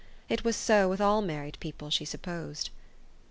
It was so with all married people, she supposed.